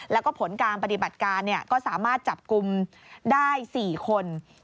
แล้วก็ผลการปฏิบัติการก็สามารถจับกลุ่มได้๔คน